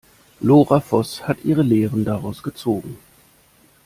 Lora Voß hat ihre Lehren daraus gezogen.